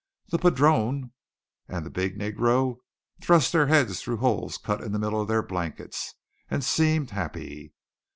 The padrone and the big negro thrust their heads through holes cut in the middle of their blankets, and seemed happy.